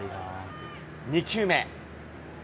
２球目。